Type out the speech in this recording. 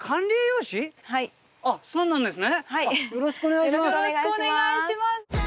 よろしくお願いします。